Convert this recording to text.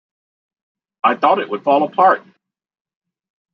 I thought it would fall apart!